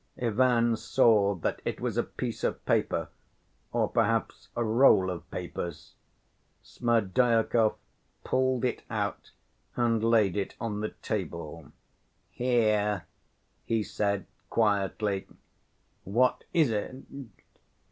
Ivan saw that it was a piece of paper, or perhaps a roll of papers. Smerdyakov pulled it out and laid it on the table. "Here," he said quietly. "What is it?"